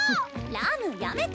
ラムやめて！